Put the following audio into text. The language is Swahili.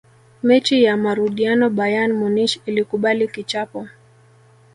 mechi ya marudiano bayern munich ilikubali kichapo